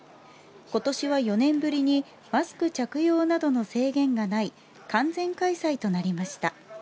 今年は４年ぶりにマスク着用などの制限がない完全開催となりました。